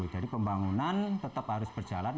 jadi pembangunan tetap harus berjalan